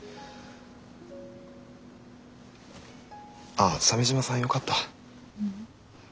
ああ鮫島さんよかった。